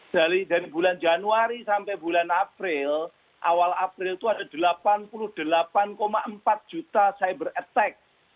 dari bulan januari sampai bulan april awal april itu ada delapan puluh delapan empat juta cyber attack